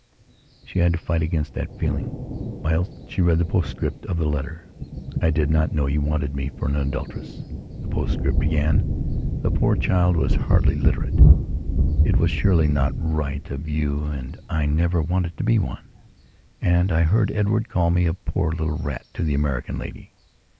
She had to fight against that feeling, whilst she read the postscript of the letter. "I did not know you wanted me for an adulteress," the postscript began. The poor child was hardly literate. "It was surely not right of you and I never wanted to be one. And I heard Edward call me a poor little rat to the American lady.